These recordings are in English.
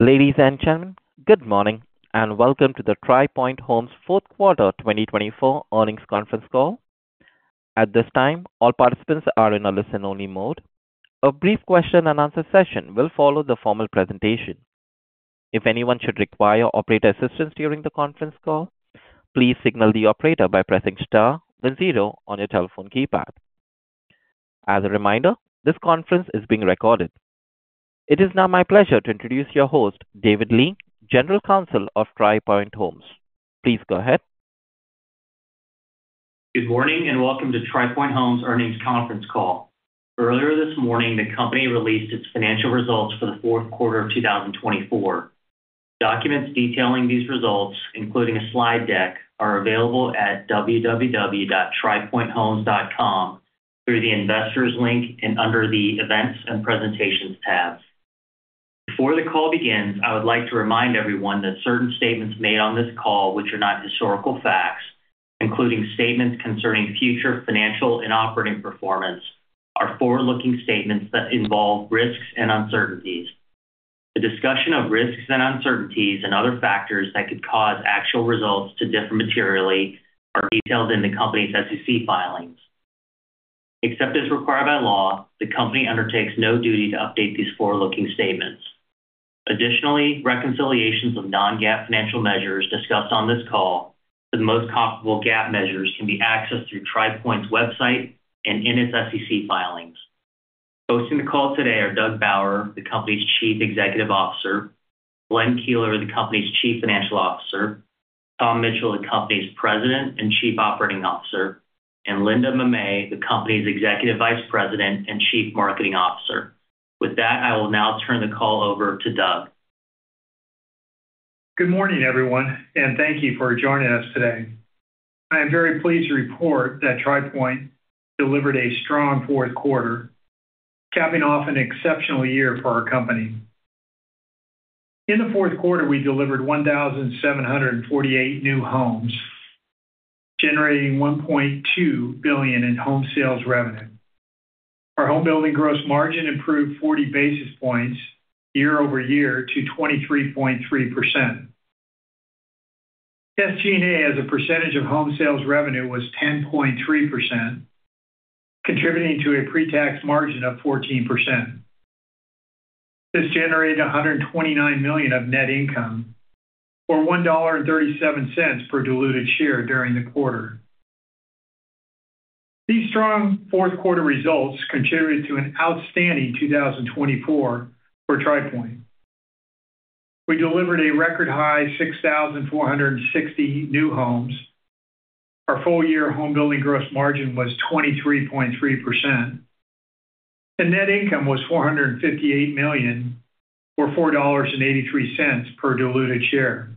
Ladies and gentlemen, good morning and welcome to the Tri Pointe Homes fourth quarter 2024 earnings conference call. At this time, all participants are in a listen-only mode. A brief question-and-answer session will follow the formal presentation. If anyone should require operator assistance during the conference call, please signal the operator by pressing star zero on your telephone keypad. As a reminder, this conference is being recorded. It is now my pleasure to introduce your host, David Lee, General Counsel of Tri Pointe Homes. Please go ahead. Good morning and welcome to Tri Pointe Homes' earnings conference call. Earlier this morning, the company released its financial results for the fourth quarter of 2024. Documents detailing these results, including a slide deck, are available at www.tripointehomes.com through the investors link and under the Events and Presentations tabs. Before the call begins, I would like to remind everyone that certain statements made on this call, which are not historical facts, including statements concerning future financial and operating performance, are forward-looking statements that involve risks and uncertainties. The discussion of risks and uncertainties and other factors that could cause actual results to differ materially are detailed in the company's SEC filings. Except as required by law, the company undertakes no duty to update these forward-looking statements. Additionally, reconciliations of non-GAAP financial measures discussed on this call to the most comparable GAAP measures can be accessed through Tri Pointe's website and in its SEC filings. Hosting the call today are Doug Bauer, the company's Chief Executive Officer, Glenn Keeler, the company's Chief Financial Officer, Tom Mitchell, the company's President and Chief Operating Officer, and Linda Mamet, the company's Executive Vice President and Chief Marketing Officer. With that, I will now turn the call over to Doug. Good morning, everyone, and thank you for joining us today. I am very pleased to report that Tri Pointe delivered a strong fourth quarter, capping off an exceptional year for our company. In the fourth quarter, we delivered 1,748 new homes, generating $1.2 billion in home sales revenue. Our homebuilding gross margin improved 40 basis points year over year to 23.3%. SG&A as a percentage of home sales revenue was 10.3%, contributing to a pre-tax margin of 14%. This generated $129 million of net income or $1.37 per diluted share during the quarter. These strong fourth quarter results contributed to an outstanding 2024 for Tri Pointe. We delivered a record high, 6,460 new homes. Our full-year homebuilding gross margin was 23.3%. The net income was $458 million or $4.83 per diluted share,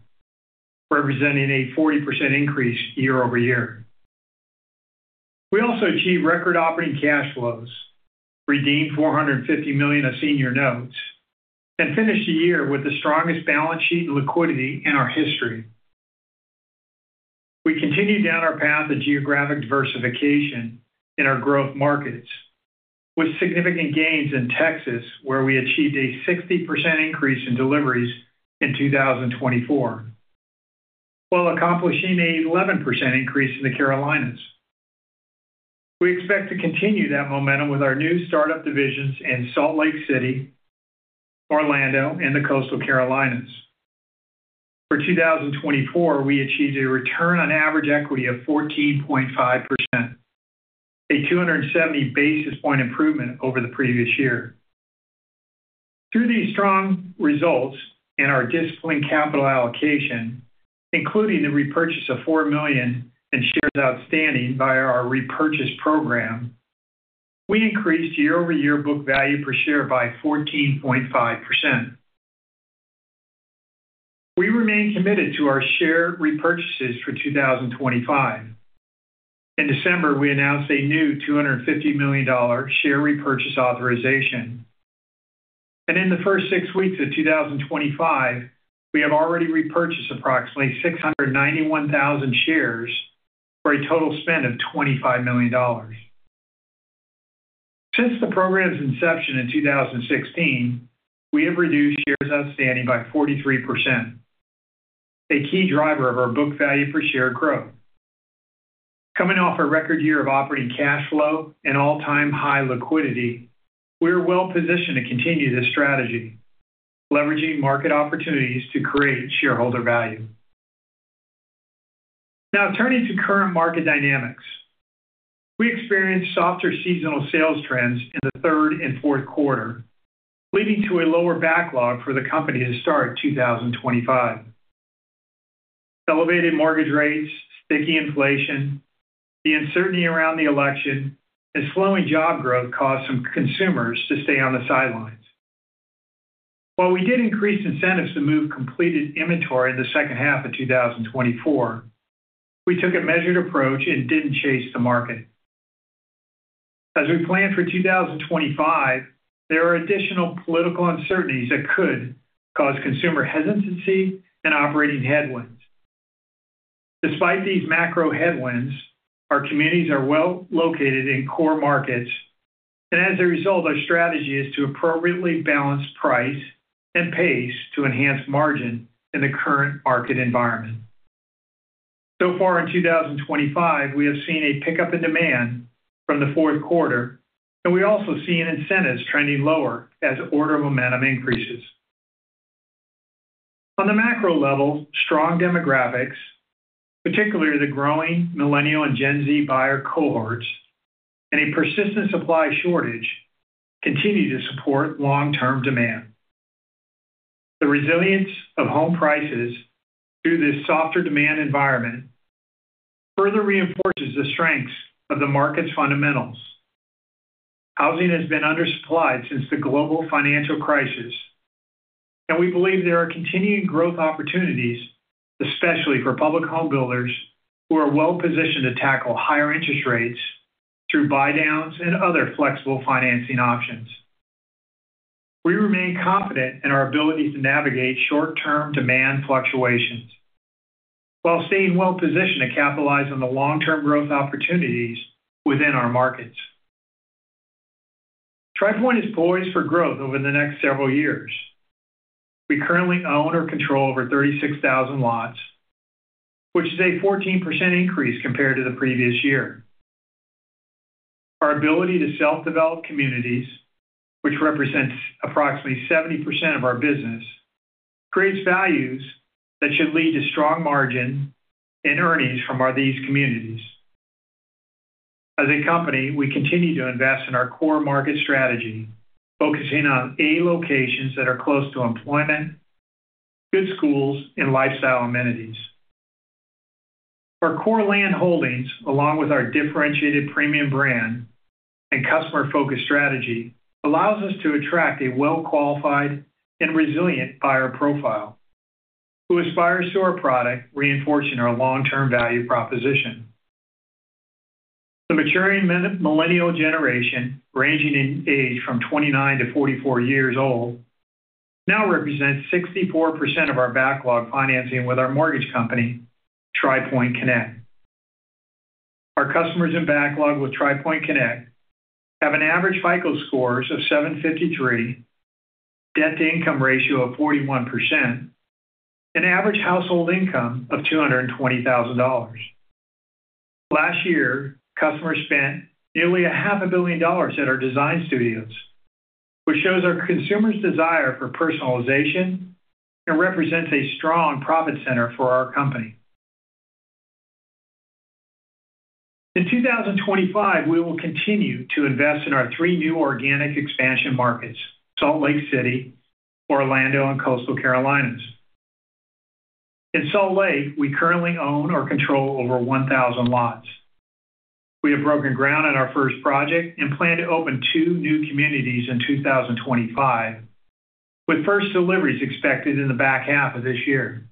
representing a 40% increase year-over-year. We also achieved record operating cash flows, redeemed $450 million of senior notes, and finished the year with the strongest balance sheet and liquidity in our history. We continue down our path of geographic diversification in our growth markets, with significant gains in Texas, where we achieved a 60% increase in deliveries in 2024, while accomplishing an 11% increase in the Carolinas. We expect to continue that momentum with our new startup divisions in Salt Lake City, Orlando, and the Coastal Carolinas. For 2024, we achieved a return on average equity of 14.5%, a 270 basis points improvement over the previous year. Through these strong results and our disciplined capital allocation, including the repurchase of $4 million in shares outstanding via our repurchase program, we increased year-over-year book value per share by 14.5%. We remain committed to our share repurchases for 2025. In December, we announced a new $250 million share repurchase authorization. In the first six weeks of 2025, we have already repurchased approximately 691,000 shares for a total spend of $25 million. Since the program's inception in 2016, we have reduced shares outstanding by 43%, a key driver of our book value per share growth. Coming off a record year of operating cash flow and all-time high liquidity, we are well positioned to continue this strategy, leveraging market opportunities to create shareholder value. Now, turning to current market dynamics, we experienced softer seasonal sales trends in the third and fourth quarters, leading to a lower backlog for the company to start 2025. Elevated mortgage rates, sticky inflation, the uncertainty around the election, and slowing job growth caused some consumers to stay on the sidelines. While we did increase incentives to move completed inventory in the second half of 2024, we took a measured approach and didn't chase the market. As we plan for 2025, there are additional political uncertainties that could cause consumer hesitancy and operating headwinds. Despite these macro headwinds, our communities are well located in core markets, and as a result, our strategy is to appropriately balance price and pace to enhance margin in the current market environment. So far in 2025, we have seen a pickup in demand from the fourth quarter, and we also see incentives trending lower as order momentum increases. On the macro level, strong demographics, particularly the growing millennial and Gen Z buyer cohorts, and a persistent supply shortage continue to support long-term demand. The resilience of home prices through this softer demand environment further reinforces the strengths of the market's fundamentals. Housing has been undersupplied since the global financial crisis, and we believe there are continuing growth opportunities, especially for public home builders who are well positioned to tackle higher interest rates through buy-downs and other flexible financing options. We remain confident in our ability to navigate short-term demand fluctuations while staying well positioned to capitalize on the long-term growth opportunities within our markets. Tri Pointe is poised for growth over the next several years. We currently own or control over 36,000 lots, which is a 14% increase compared to the previous year. Our ability to self-develop communities, which represents approximately 70% of our business, creates values that should lead to strong margin and earnings from these communities. As a company, we continue to invest in our core market strategy, focusing on A-locations that are close to employment, good schools, and lifestyle amenities. Our core land holdings, along with our differentiated premium brand and customer-focused strategy, allow us to attract a well-qualified and resilient buyer profile who aspires to our product, reinforcing our long-term value proposition. The maturing millennial generation, ranging in age from 29 to 44 years old, now represents 64% of our backlog financing with our mortgage company, Tri Pointe Connect. Our customers in backlog with Tri Pointe Connect have an average FICO score of 753, debt-to-income ratio of 41%, and average household income of $220,000. Last year, customers spent nearly $500 million at our Design Studios, which shows our consumers' desire for personalization and represents a strong profit center for our company. In 2025, we will continue to invest in our three new organic expansion markets: Salt Lake City, Orlando, and Coastal Carolinas. In Salt Lake, we currently own or control over 1,000 lots. We have broken ground on our first project and plan to open two new communities in 2025, with first deliveries expected in the back half of this year.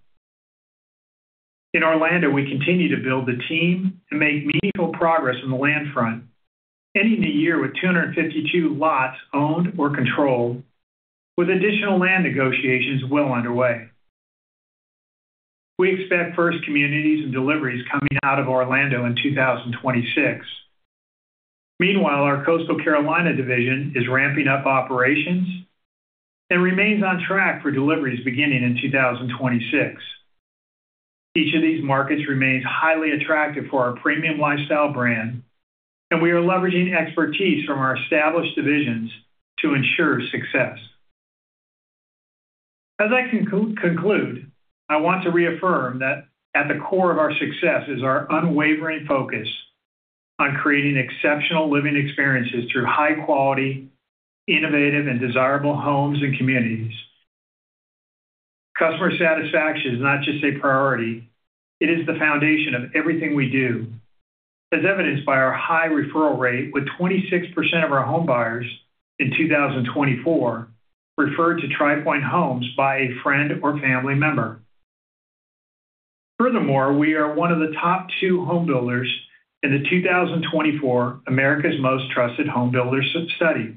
In Orlando, we continue to build the team and make meaningful progress on the land front, ending the year with 252 lots owned or controlled, with additional land negotiations well underway. We expect first communities and deliveries coming out of Orlando in 2026. Meanwhile, our Coastal Carolinas division is ramping up operations and remains on track for deliveries beginning in 2026. Each of these markets remains highly attractive for our premium lifestyle brand, and we are leveraging expertise from our established divisions to ensure success. As I conclude, I want to reaffirm that at the core of our success is our unwavering focus on creating exceptional living experiences through high-quality, innovative, and desirable homes and communities. Customer satisfaction is not just a priority. It is the foundation of everything we do, as evidenced by our high referral rate, with 26% of our homebuyers in 2024 referred to Tri Pointe Homes by a friend or family member. Furthermore, we are one of the top two home builders in the 2024 America's Most Trusted Home Builder Study.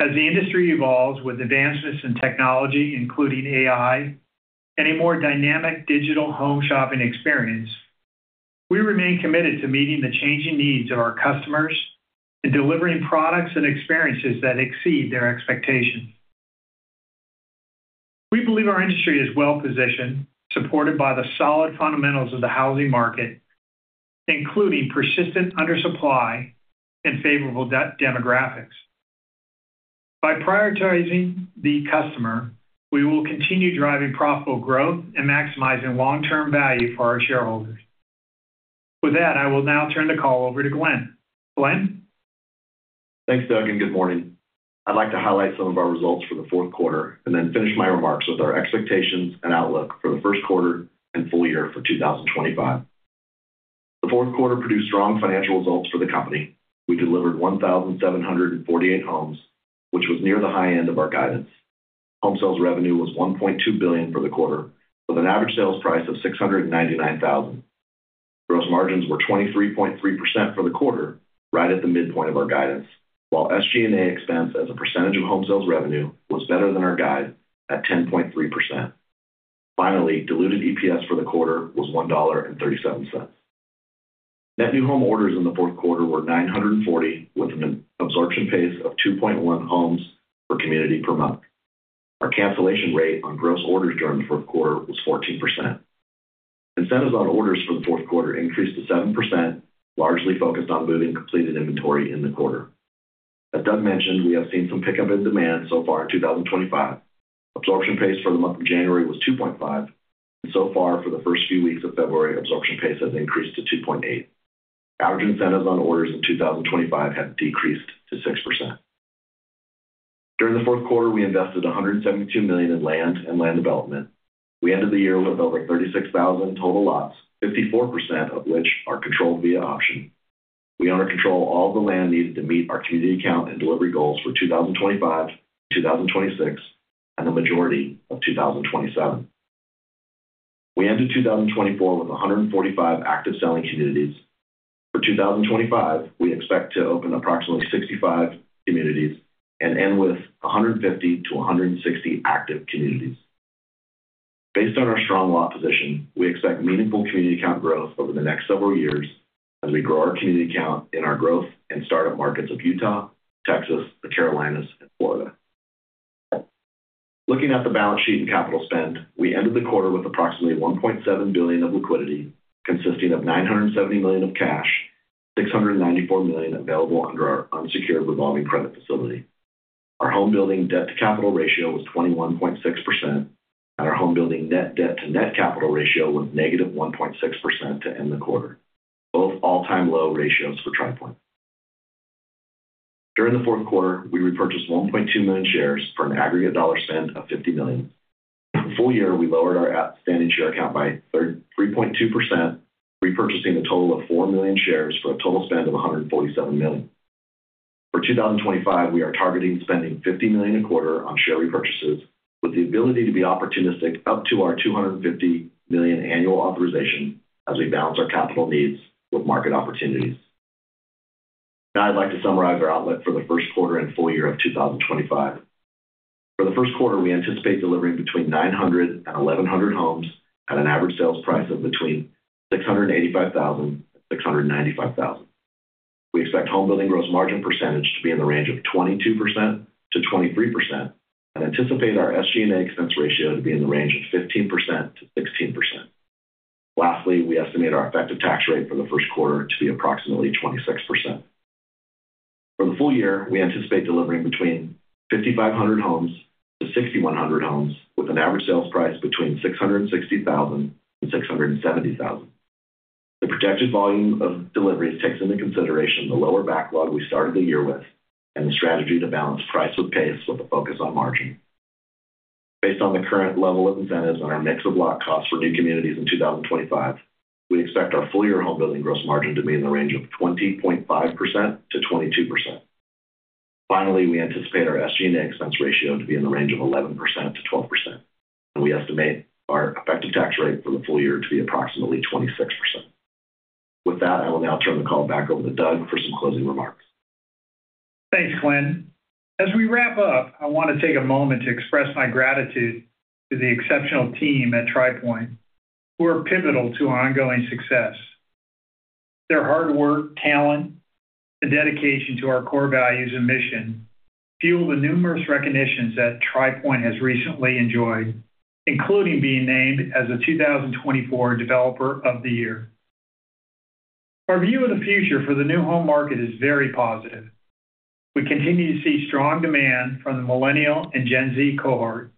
As the industry evolves with advancements in technology, including AI, and a more dynamic digital home shopping experience, we remain committed to meeting the changing needs of our customers and delivering products and experiences that exceed their expectations. We believe our industry is well positioned, supported by the solid fundamentals of the housing market, including persistent undersupply and favorable demographics. By prioritizing the customer, we will continue driving profitable growth and maximizing long-term value for our shareholders. With that, I will now turn the call over to Glenn. Glenn? Thanks, Doug, and good morning. I'd like to highlight some of our results for the fourth quarter and then finish my remarks with our expectations and outlook for the first quarter and full year for 2025. The fourth quarter produced strong financial results for the company. We delivered 1,748 homes, which was near the high end of our guidance. Home sales revenue was $1.2 billion for the quarter, with an average sales price of $699,000. Gross margins were 23.3% for the quarter, right at the midpoint of our guidance, while SG&A expense as a percentage of home sales revenue was better than our guide at 10.3%. Finally, diluted EPS for the quarter was $1.37. Net new home orders in the fourth quarter were 940, with an absorption pace of 2.1 homes per community per month. Our cancellation rate on gross orders during the fourth quarter was 14%. Incentives on orders for the fourth quarter increased to 7%, largely focused on moving completed inventory in the quarter. As Doug mentioned, we have seen some pickup in demand so far in 2025. Absorption pace for the month of January was 2.5, and so far for the first few weeks of February, absorption pace has increased to 2.8. Average incentives on orders in 2025 have decreased to 6%. During the fourth quarter, we invested $172 million in land and land development. We ended the year with over 36,000 total lots, 54% of which are controlled via option. We own or control all of the land needed to meet our community count and delivery goals for 2025, 2026, and the majority of 2027. We ended 2024 with 145 active selling communities. For 2025, we expect to open approximately 65 communities and end with 150-160 active communities. Based on our strong lot position, we expect meaningful community count growth over the next several years as we grow our community count in our growth and startup markets of Utah, Texas, the Carolinas, and Florida. Looking at the balance sheet and capital spend, we ended the quarter with approximately $1.7 billion of liquidity, consisting of $970 million of cash and $694 million available under our unsecured revolving credit facility. Our homebuilding debt-to-capital ratio was 21.6%, and our homebuilding net debt-to-net capital ratio was negative 1.6% to end the quarter, both all-time low ratios for Tri Pointe. During the fourth quarter, we repurchased 1.2 million shares for an aggregate dollar spend of $50 million. For the full year, we lowered our outstanding share count by 3.2%, repurchasing a total of 4 million shares for a total spend of $147 million. For 2025, we are targeting spending $50 million a quarter on share repurchases, with the ability to be opportunistic up to our $250 million annual authorization as we balance our capital needs with market opportunities. Now, I'd like to summarize our outlook for the first quarter and full year of 2025. For the first quarter, we anticipate delivering between 900 and 1,100 homes at an average sales price of between $685,000 and $695,000. We expect homebuilding gross margin percentage to be in the range of 22% to 23% and anticipate our SG&A expense ratio to be in the range of 15% to 16%. Lastly, we estimate our effective tax rate for the first quarter to be approximately 26%. For the full year, we anticipate delivering between 5,500 homes to 6,100 homes with an average sales price between $660,000 and $670,000. The projected volume of deliveries takes into consideration the lower backlog we started the year with and the strategy to balance price with pace with a focus on margin. Based on the current level of incentives and our mix of lot costs for new communities in 2025, we expect our full year homebuilding gross margin to be in the range of 20.5%-22%. Finally, we anticipate our SG&A expense ratio to be in the range of 11%-12%, and we estimate our effective tax rate for the full year to be approximately 26%. With that, I will now turn the call back over to Doug for some closing remarks. Thanks, Glenn. As we wrap up, I want to take a moment to express my gratitude to the exceptional team at Tri Pointe, who are pivotal to our ongoing success. Their hard work, talent, and dedication to our core values and mission fuel the numerous recognitions that Tri Pointe has recently enjoyed, including being named as a 2024 Developer of the Year. Our view of the future for the new home market is very positive. We continue to see strong demand from the millennial and Gen Z cohort,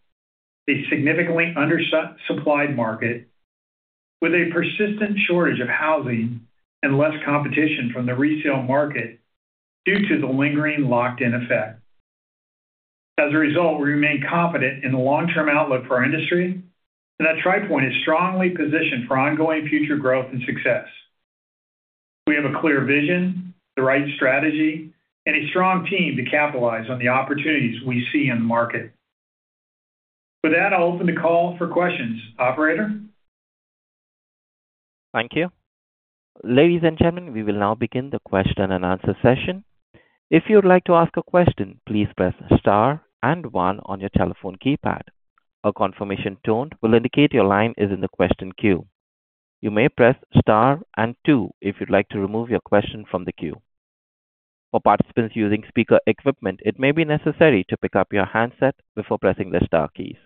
a significantly undersupplied market, with a persistent shortage of housing and less competition from the resale market due to the lingering locked-in effect. As a result, we remain confident in the long-term outlook for our industry and that Tri Pointe is strongly positioned for ongoing future growth and success. We have a clear vision, the right strategy, and a strong team to capitalize on the opportunities we see in the market. With that, I'll open the call for questions, Operator. Thank you. Ladies and gentlemen, we will now begin the question and answer session. If you would like to ask a question, please press star and one on your telephone keypad. A confirmation tone will indicate your line is in the question queue. You may press star and two if you'd like to remove your question from the queue. For participants using speaker equipment, it may be necessary to pick up your handset before pressing the star keys.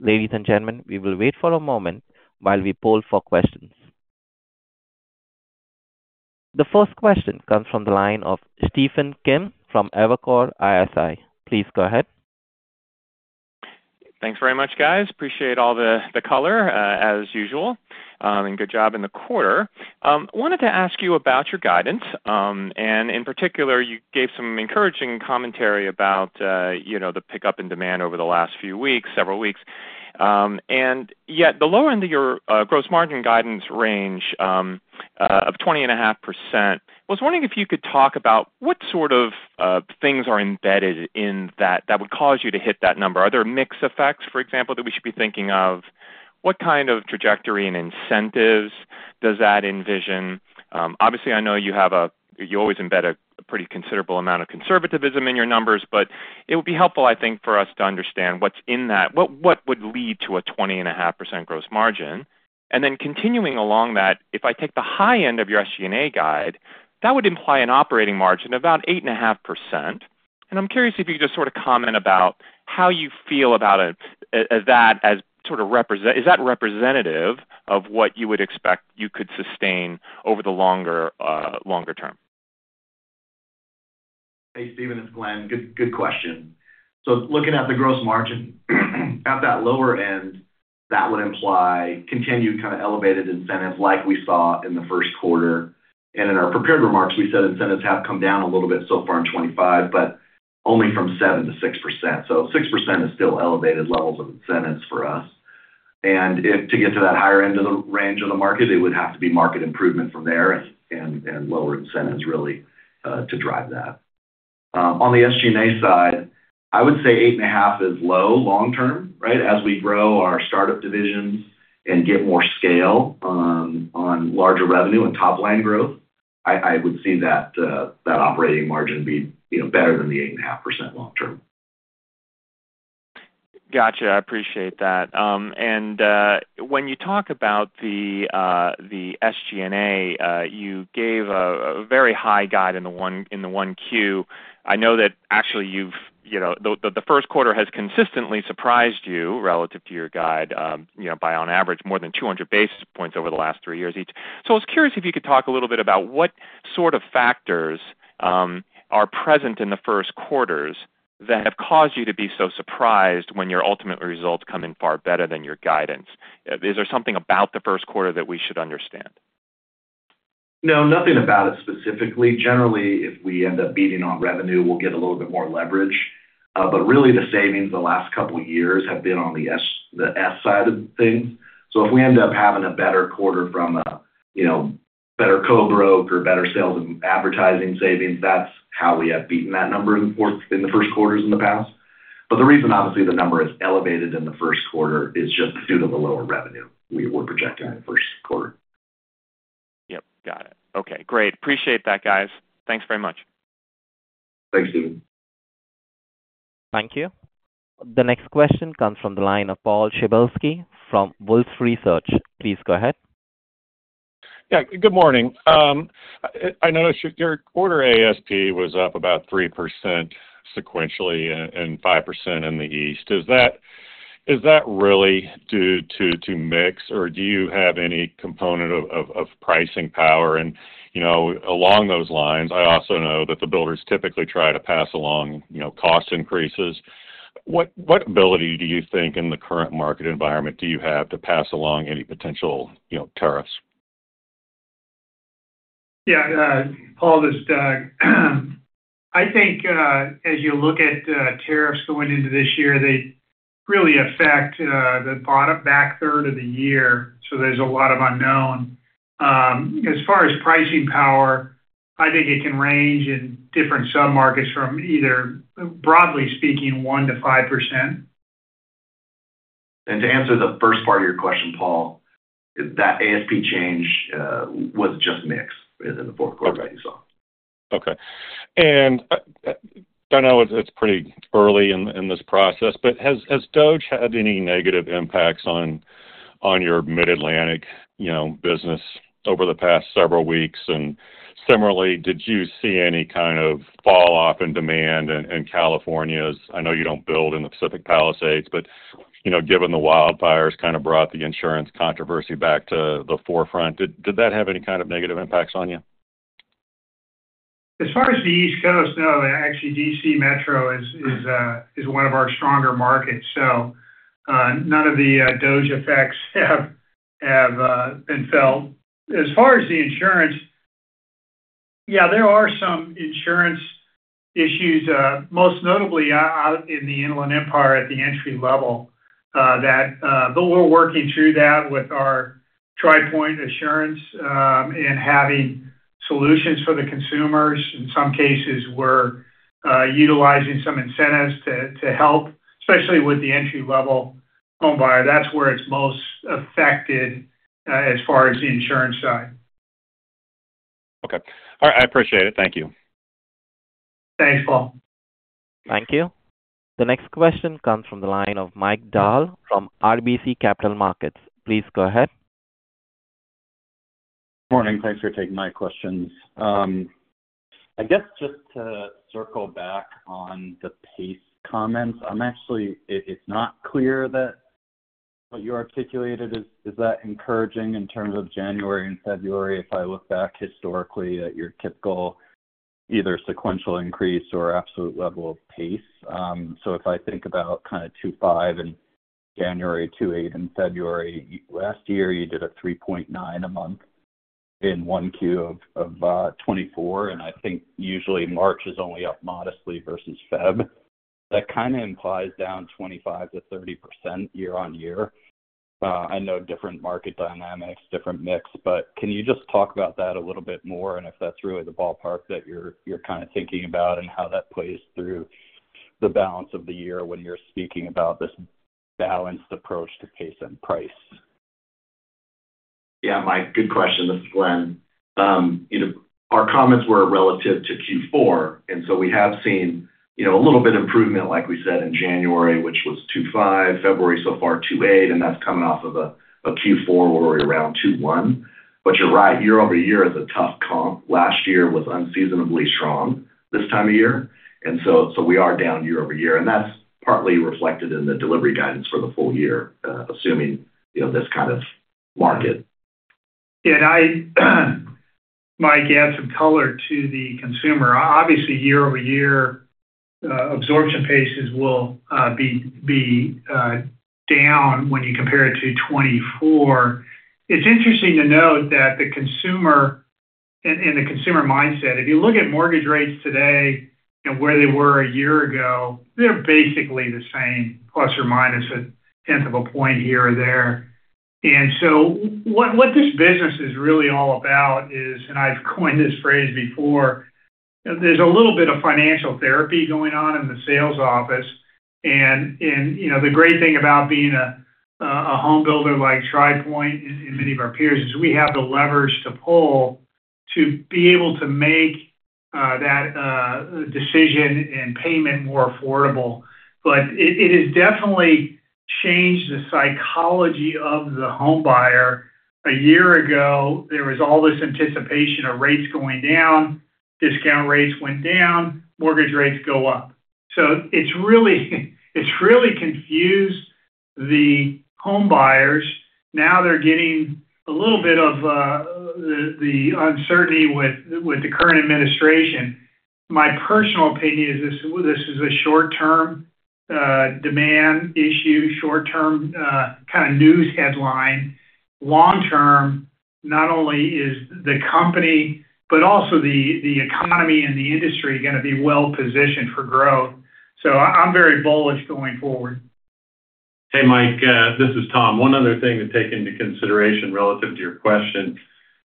Ladies and gentlemen, we will wait for a moment while we poll for questions. The first question comes from the line of Stephen Kim from Evercore ISI. Please go ahead. Thanks very much, guys. Appreciate all the color, as usual, and good job in the quarter. I wanted to ask you about your guidance, and in particular, you gave some encouraging commentary about the pickup in demand over the last few weeks, several weeks, and yet, the lower end of your gross margin guidance range of 20.5%. I was wondering if you could talk about what sort of things are embedded in that that would cause you to hit that number? Are there mixed effects, for example, that we should be thinking of? What kind of trajectory and incentives does that envision? Obviously, I know you always embed a pretty considerable amount of conservatism in your numbers, but it would be helpful, I think, for us to understand what's in that, what would lead to a 20.5% gross margin. And then continuing along that, if I take the high end of your SG&A guide, that would imply an operating margin of about 8.5%. And I'm curious if you could just sort of comment about how you feel about that as sort of representative of what you would expect you could sustain over the longer term. Hey, Stephen, it's Glenn. Good question, so looking at the gross margin at that lower end, that would imply continued kind of elevated incentives like we saw in the first quarter, and in our prepared remarks, we said incentives have come down a little bit so far in 2025, but only from 7% to 6%, so 6% is still elevated levels of incentives for us, and to get to that higher end of the range of the market, it would have to be market improvement from there and lower incentives, really, to drive that. On the SG&A side, I would say 8.5 is low long-term, right? As we grow our startup divisions and get more scale on larger revenue and top-line growth, I would see that operating margin be better than the 8.5% long-term. Gotcha. I appreciate that. And when you talk about the SG&A, you gave a very high guide in the 1Q. I know that actually, the first quarter has consistently surprised you relative to your guide by, on average, more than 200 basis points over the last three years each. So I was curious if you could talk a little bit about what sort of factors are present in the first quarters that have caused you to be so surprised when your ultimate results come in far better than your guidance. Is there something about the first quarter that we should understand? No, nothing about it specifically. Generally, if we end up beating on revenue, we'll get a little bit more leverage. But really, the savings the last couple of years have been on the S side of things. So if we end up having a better quarter from a better co-broke or better sales and advertising savings, that's how we have beaten that number in the first quarters in the past. But the reason, obviously, the number is elevated in the first quarter is just due to the lower revenue we were projecting in the first quarter. Yep. Got it. Okay. Great. Appreciate that, guys. Thanks very much. Thanks, Stephen. Thank you. The next question comes from the line of Paul Przybylski from Wolfe Research. Please go ahead. Yeah. Good morning. I noticed your quarter ASP was up about 3% sequentially and 5% in the east. Is that really due to mix or do you have any component of pricing power? And along those lines, I also know that the builders typically try to pass along cost increases. What ability do you think in the current market environment do you have to pass along any potential tariffs? Yeah. Paul, this is Doug. I think as you look at tariffs going into this year, they really affect the bottom back third of the year. So there's a lot of unknown. As far as pricing power, I think it can range in different sub-markets from either, broadly speaking, 1%-5%. To answer the first part of your question, Paul, that ASP change was just mix in the fourth quarter that you saw. Okay. And I know it's pretty early in this process, but has DOGE had any negative impacts on your Mid-Atlantic business over the past several weeks? And similarly, did you see any kind of falloff in demand in California? I know you don't build in the Pacific Palisades, but given the wildfires kind of brought the insurance controversy back to the forefront, did that have any kind of negative impacts on you? As far as the East Coast, no. Actually, DC Metro is one of our stronger markets. So none of the DOGE effects have been felt. As far as the insurance, yeah, there are some insurance issues, most notably out in the Inland Empire at the entry level. But we're working through that with our Tri Pointe Assurance and having solutions for the consumers. In some cases, we're utilizing some incentives to help, especially with the entry-level home buyer. That's where it's most affected as far as the insurance side. Okay. All right. I appreciate it. Thank you. Thanks, Paul. Thank you. The next question comes from the line of Mike Dahl from RBC Capital Markets. Please go ahead. Good morning. Thanks for taking my questions. I guess just to circle back on the pace comments, it's not clear that what you articulated is that encouraging in terms of January and February if I look back historically at your typical either sequential increase or absolute level of pace. So if I think about kind of 2.5 in January, 2.8 in February, last year you did a 3.9 a month in 1Q of 2024. And I think usually March is only up modestly versus February. That kind of implies down 25%-30% year-on-year. I know different market dynamics, different mix. But can you just talk about that a little bit more and if that's really the ballpark that you're kind of thinking about and how that plays through the balance of the year when you're speaking about this balanced approach to pace and price? Yeah. Mike, good question. This is Glenn. Our comments were relative to Q4. And so we have seen a little bit of improvement, like we said, in January, which was 2.5. February so far 2.8. And that's coming off of a Q4 where we were around 2.1. But you're right. Year over year is a tough comp. Last year was unseasonably strong this time of year. And so we are down year over year. And that's partly reflected in the delivery guidance for the full year, assuming this kind of market. Yeah. Mike, add some color to the consumer. Obviously, year over year, absorption paces will be down when you compare it to 2024. It's interesting to note that the consumer and the consumer mindset, if you look at mortgage rates today, where they were a year ago, they're basically the same, plus or minus a tenth of a point here or there. And so what this business is really all about is, and I've coined this phrase before, there's a little bit of financial therapy going on in the sales office. And the great thing about being a home builder like Tri Pointe and many of our peers is we have the levers to pull to be able to make that decision and payment more affordable. But it has definitely changed the psychology of the home buyer. A year ago, there was all this anticipation of rates going down, discount rates went down, mortgage rates go up. So it's really confused the home buyers. Now they're getting a little bit of the uncertainty with the current administration. My personal opinion is this is a short-term demand issue, short-term kind of news headline. Long-term, not only is the company, but also the economy and the industry going to be well-positioned for growth. So I'm very bullish going forward. Hey, Mike. This is Tom. One other thing to take into consideration relative to your question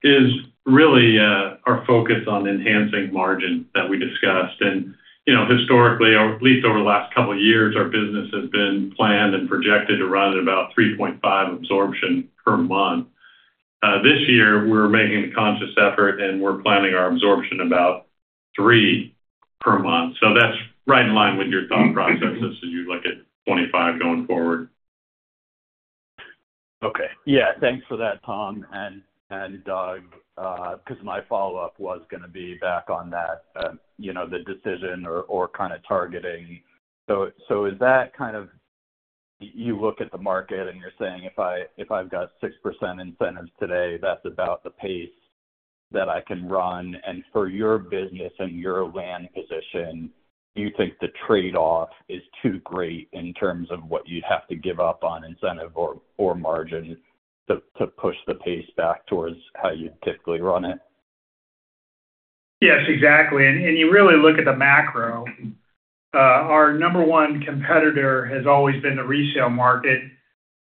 is really our focus on enhancing margin that we discussed, and historically, or at least over the last couple of years, our business has been planned and projected to run at about 3.5 absorption per month. This year, we're making a conscious effort, and we're planning our absorption about three per month. So that's right in line with your thought processes as you look at 2025 going forward. Okay. Yeah. Thanks for that, Tom and Doug, because my follow-up was going to be back on that, the decision or kind of targeting. So is that kind of you look at the market and you're saying, "If I've got 6% incentives today, that's about the pace that I can run." And for your business and your land position, do you think the trade-off is too great in terms of what you'd have to give up on incentive or margin to push the pace back towards how you'd typically run it? Yes, exactly. And you really look at the macro. Our number one competitor has always been the resale market.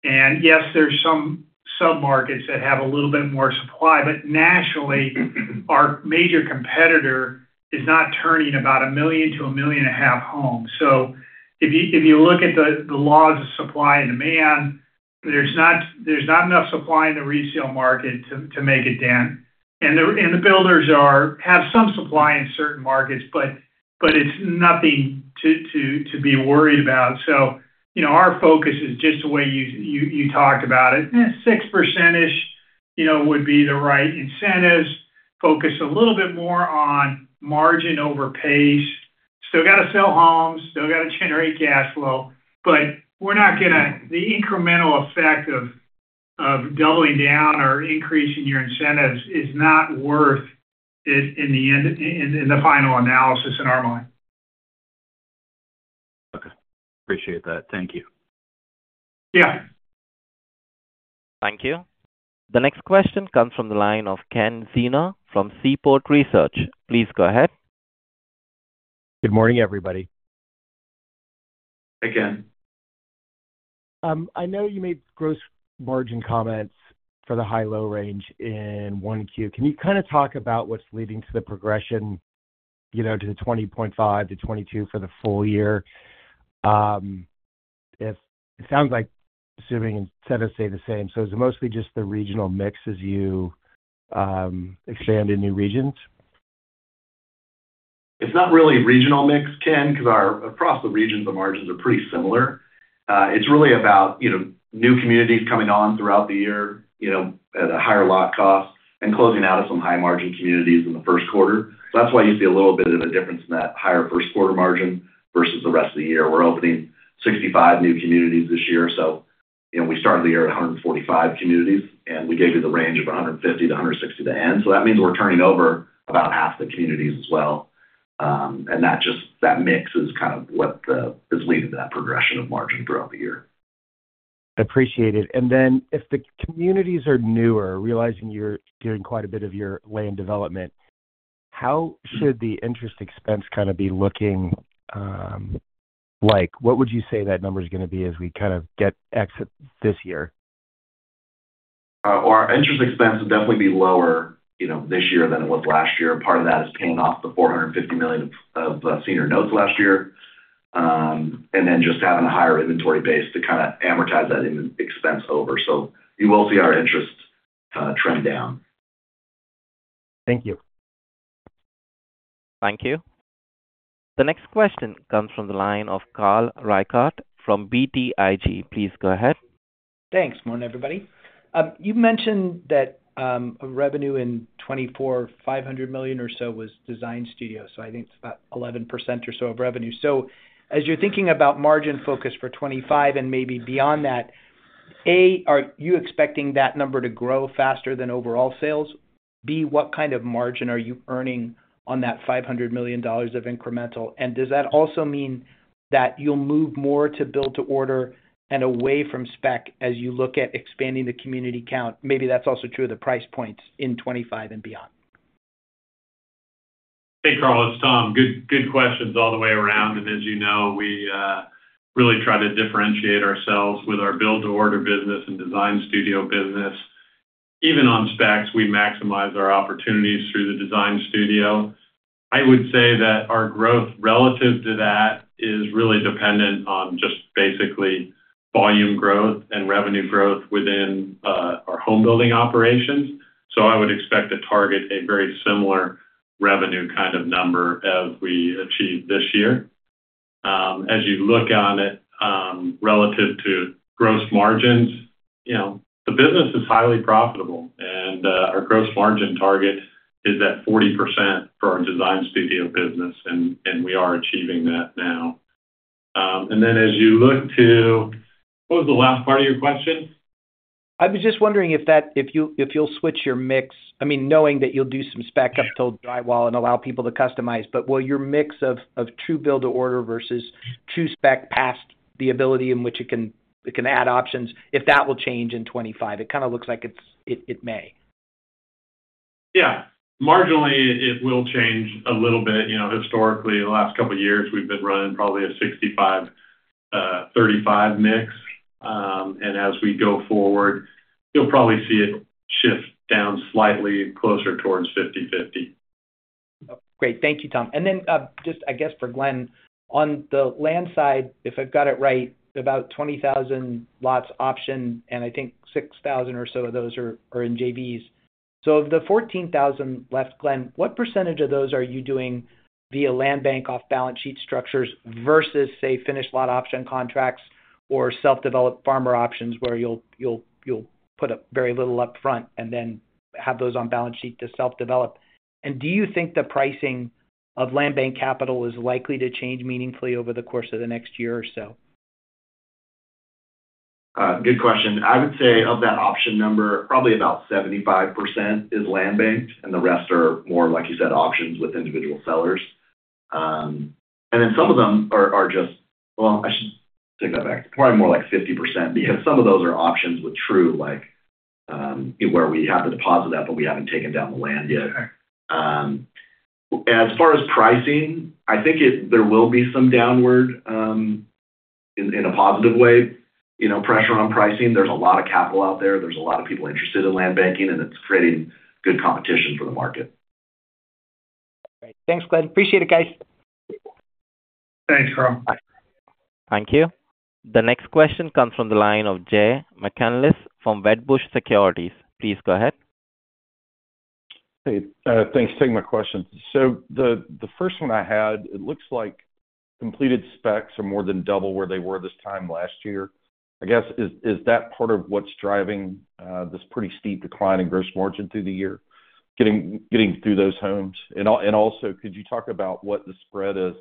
And yes, there's some sub-markets that have a little bit more supply. But nationally, our major competitor is not turning about a million to a million and a half homes. So if you look at the laws of supply and demand, there's not enough supply in the resale market to make a dent. And the builders have some supply in certain markets, but it's nothing to be worried about. So our focus is just the way you talked about it. 6%-ish would be the right incentives. Focus a little bit more on margin over pace. Still got to sell homes, still got to generate cash flow. But we're not going to. The incremental effect of doubling down or increasing your incentives is not worth it in the final analysis in our mind. Okay. Appreciate that. Thank you. Yeah. Thank you. The next question comes from the line of Ken Zener from Seaport Research Partners. Please go ahead. Good morning, everybody. Hey, Ken. I know you made gross margin comments for the high-low range in 1Q. Can you kind of talk about what's leading to the progression to the 20.5%-22% for the full year? It sounds like, assuming incentives stay the same. So is it mostly just the regional mix as you expand in new regions? It's not really regional mix, Ken, because across the regions, the margins are pretty similar. It's really about new communities coming on throughout the year at a higher lot cost and closing out of some high-margin communities in the first quarter. That's why you see a little bit of a difference in that higher first quarter margin versus the rest of the year. We're opening 65 new communities this year. So we started the year at 145 communities, and we gave you the range of 150-160 to end. So that means we're turning over about half the communities as well. And that mix is kind of what is leading to that progression of margin throughout the year. Appreciate it, and then if the communities are newer, realizing you're doing quite a bit of your land development, how should the interest expense kind of be looking like? What would you say that number is going to be as we kind of get exit this year? Our interest expense will definitely be lower this year than it was last year. Part of that is paying off the $450 million of senior notes last year and then just having a higher inventory base to kind of amortize that expense over. You will see our interest trend down. Thank you. Thank you. The next question comes from the line of Carl Reichardt from BTIG. Please go ahead. Thanks. Morning, everybody. You mentioned that revenue in 2024, $500 million or so, was Design Studio. So I think it's about 11% or so of revenue. So as you're thinking about margin focus for 2025 and maybe beyond that, A, are you expecting that number to grow faster than overall sales? B, what kind of margin are you earning on that $500 million of incremental? And does that also mean that you'll move more to build-to-order and away from spec as you look at expanding the community count? Maybe that's also true of the price points in 2025 and beyond. Hey, Carl, it's Tom. Good questions all the way around. And as you know, we really try to differentiate ourselves with our build-to-order business and Design Studio business. Even on specs, we maximize our opportunities through the Design Studio. I would say that our growth relative to that is really dependent on just basically volume growth and revenue growth within our homebuilding operations. So I would expect to target a very similar revenue kind of number as we achieve this year. As you look on it relative to gross margins, the business is highly profitable. And our gross margin target is at 40% for our Design Studio business, and we are achieving that now. And then as you look to what was the last part of your question? I was just wondering if you'll switch your mix, I mean, knowing that you'll do some spec up till drywall and allow people to customize, but will your mix of true build-to-order versus true spec have the ability in which it can add options if that will change in 2025? It kind of looks like it may. Yeah. Marginally, it will change a little bit. Historically, the last couple of years, we've been running probably a 65/35 mix, and as we go forward, you'll probably see it shift down slightly closer towards 50/50. Great. Thank you, Tom. And then just, I guess, for Glenn, on the land side, if I've got it right, about 20,000 lots option, and I think 6,000 or so of those are in JVs. So of the 14,000 left, Glenn, what percentage of those are you doing via land bank off balance sheet structures versus, say, finished lot option contracts or self-developed farmer options where you'll put very little upfront and then have those on balance sheet to self-develop? And do you think the pricing of land bank capital is likely to change meaningfully over the course of the next year or so? Good question. I would say of that option number, probably about 75% is land banked, and the rest are more, like you said, options with individual sellers, and then some of them are just, well, I should take that back. Probably more like 50% because some of those are options with true, like where we have to deposit that, but we haven't taken down the land yet. As far as pricing, I think there will be some downward, in a positive way, pressure on pricing. There's a lot of capital out there. There's a lot of people interested in land banking, and it's creating good competition for the market. All right. Thanks, Glenn. Appreciate it, guys. Thanks, Carl. Thank you. The next question comes from the line of Jay McCanless from Wedbush Securities. Please go ahead. Hey. Thanks for taking my question. So the first one I had, it looks like completed specs are more than double where they were this time last year. I guess, is that part of what's driving this pretty steep decline in gross margin through the year, getting through those homes? And also, could you talk about what the spread is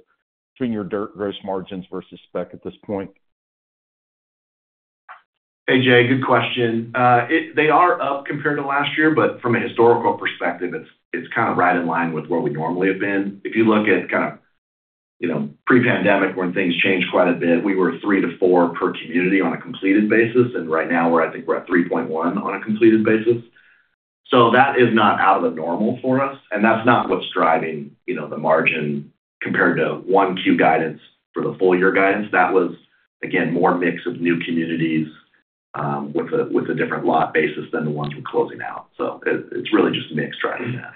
between your gross margins versus spec at this point? Hey, Jay. Good question. They are up compared to last year, but from a historical perspective, it's kind of right in line with where we normally have been. If you look at kind of pre-pandemic when things changed quite a bit, we were three to four per community on a completed basis, and right now, I think we're at 3.1 on a completed basis, so that is not out of the normal for us, and that's not what's driving the margin compared to 1Q guidance for the full year guidance. That was, again, more mix of new communities with a different lot basis than the ones we're closing out. So it's really just mix driving that.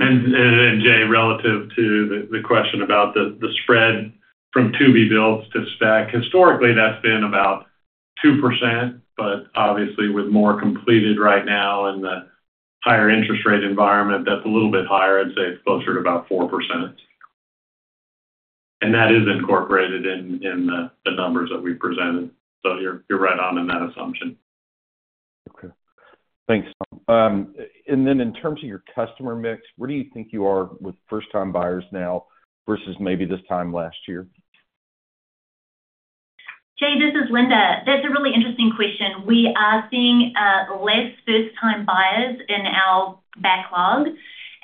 And Jay, relative to the question about the spread from to-be-builts to spec, historically, that's been about 2%. But obviously, with more completed right now and the higher interest rate environment, that's a little bit higher. I'd say it's closer to about 4%. And that is incorporated in the numbers that we've presented. So you're right on in that assumption. Okay. Thanks, Tom, and then in terms of your customer mix, where do you think you are with first-time buyers now versus maybe this time last year? Jay, this is Linda. That's a really interesting question. We are seeing less first-time buyers in our backlog,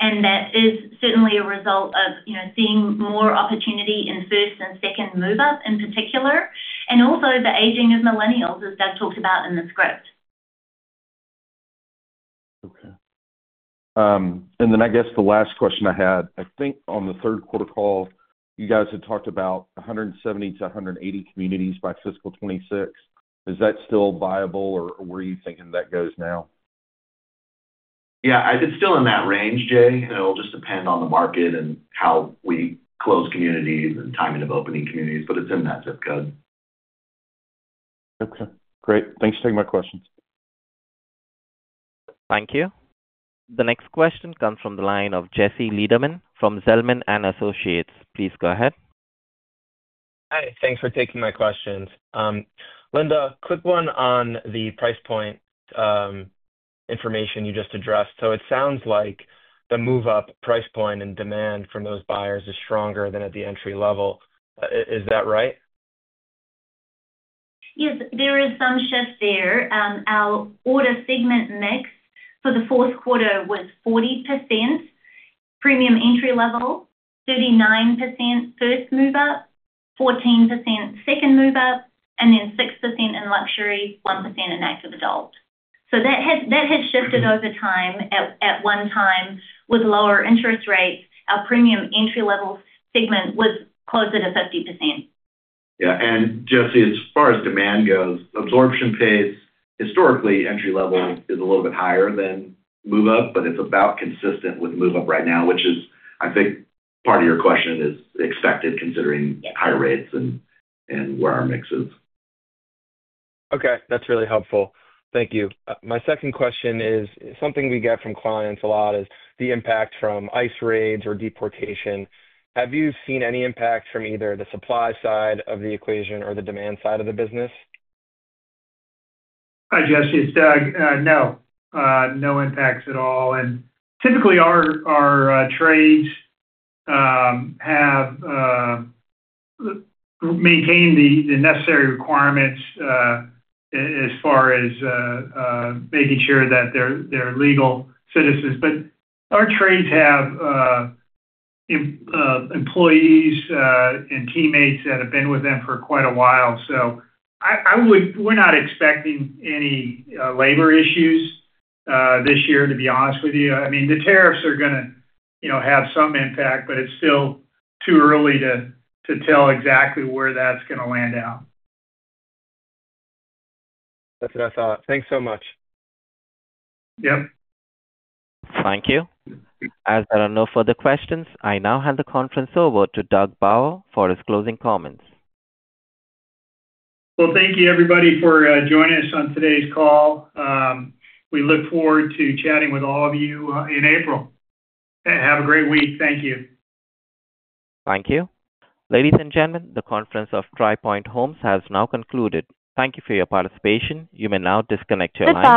and that is certainly a result of seeing more opportunity in first and second move-up in particular, and also the aging of millennials, as they've talked about in the script. Okay, and then I guess the last question I had. I think on the third quarter call, you guys had talked about 170-180 communities by fiscal 2026. Is that still viable, or where are you thinking that goes now? Yeah. It's still in that range, Jay. It'll just depend on the market and how we close communities and timing of opening communities, but it's in that zip code. Okay. Great. Thanks for taking my questions. Thank you. The next question comes from the line of Jesse Lederman from Zelman & Associates. Please go ahead. Hi. Thanks for taking my questions. Linda, quick one on the price point information you just addressed. So it sounds like the move-up price point and demand from those buyers is stronger than at the entry level. Is that right? Yes. There is some shift there. Our order segment mix for the fourth quarter was 40% premium entry level, 39% first move-up, 14% second move-up, and then 6% in luxury, 1% in active adult. So that has shifted over time. At one time, with lower interest rates, our premium entry-level segment was closer to 50%. Yeah, and Jesse, as far as demand goes, absorption pace, historically, entry-level is a little bit higher than move-up, but it's about consistent with move-up right now, which is, I think, part of your question is expected considering higher rates and where our mix is. Okay. That's really helpful. Thank you. My second question is something we get from clients a lot, is the impact from ICE raids or deportation. Have you seen any impact from either the supply side of the equation or the demand side of the business? Hi, Jesse. No. No impacts at all. And typically, our trades have maintained the necessary requirements as far as making sure that they're legal citizens. But our trades have employees and teammates that have been with them for quite a while. So we're not expecting any labor issues this year, to be honest with you. I mean, the tariffs are going to have some impact, but it's still too early to tell exactly where that's going to land out. That's what I thought. Thanks so much. Yep. Thank you. As there are no further questions, I now hand the conference over to Doug Bauer for his closing comments. Thank you, everybody, for joining us on today's call. We look forward to chatting with all of you in April. Have a great week. Thank you. Thank you. Ladies and gentlemen, the conference of Tri Pointe Homes has now concluded. Thank you for your participation. You may now disconnect your line.